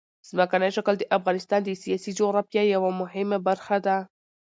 ځمکنی شکل د افغانستان د سیاسي جغرافیه یوه مهمه برخه ده.